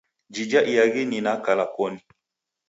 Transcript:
Jija iaghi ni na kala koni.